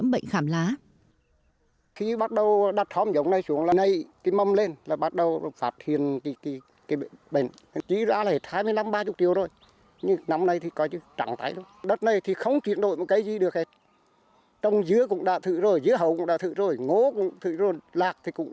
bệnh khảm lá sắn của gia đình ông đều bị nhiễm bệnh khảm lá